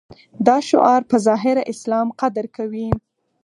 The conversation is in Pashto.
دا شعار په ظاهره اسلام قدر کوي.